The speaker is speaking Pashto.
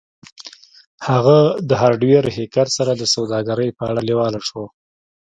هغه د هارډویر هیکر سره د سوداګرۍ په اړه لیواله شو